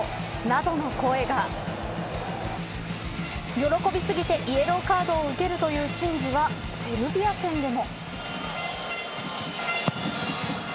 喜びすぎてイエローカードを受けるという珍事はセルビア戦でも。